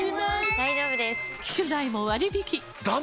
大丈夫です！